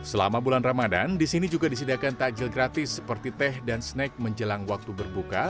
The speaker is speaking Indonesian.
selama bulan ramadan di sini juga disediakan takjil gratis seperti teh dan snack menjelang waktu berbuka